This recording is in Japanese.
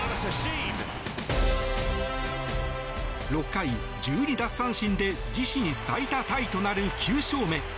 ６回、１２奪三振で自身最多タイとなる９勝目。